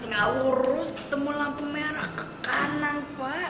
gak urus ketemu lampu merah ke kanan pak